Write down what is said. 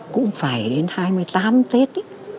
cũng phải đến hai mươi tám tết